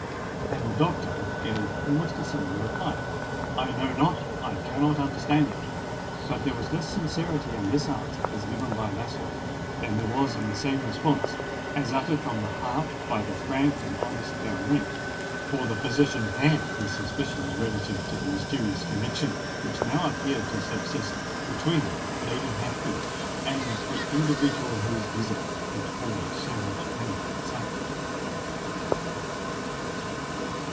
And the Doctor gave almost a similar reply:—"I know not—I cannot understand it." But there was less sincerity in this answer as given by Lascelles than there was in the same response as uttered from the heart by the frank and honest baronet:—for the physician had his suspicions relative to the mysterious connexion which now appeared to subsist between Lady Hatfield and the individual whose visit had caused so much painful excitement.